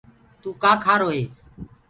توُ ڪآ کآ کآرو هي؟